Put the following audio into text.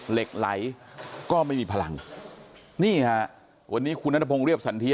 เหล็กไหลก็ไม่มีพลังนี่ฮะวันนี้คุณนัทพงศ์เรียบสันเทีย